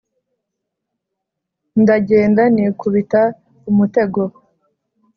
ndagenda nikubita umutego,